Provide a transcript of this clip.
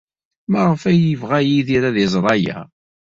Maɣef ay yebɣa Yidir ad iẓer aya?